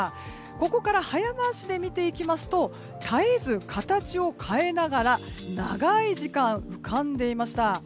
ここから早回しで見ていきますと絶えず形を変えながら長い時間、浮かんでいました。